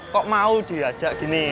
kok mau diajak gini